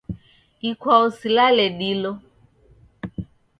Ikwau silale dilo.